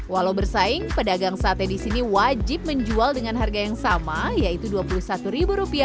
walau bersaing pedagang sate di sini wajib menjual dengan harga yang sama yaitu rp dua puluh satu